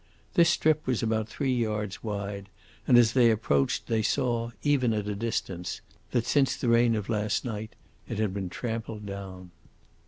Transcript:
This strip was about three yards wide, and as they approached they saw, even at a distance, that since the rain of last night it had been trampled down.